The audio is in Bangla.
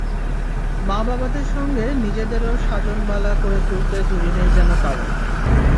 মা-বাবাদের সঙ্গে নিজেদেরও সাজন বালা করে তুলতে জুড়ি নেই যেন কারও।